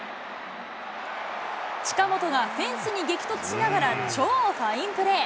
近本がフェンスに激突しながら、超ファインプレー。